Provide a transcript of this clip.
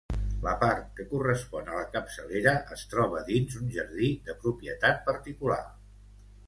La part que correspon a la capçalera es troba dins un jardí de propietat particular.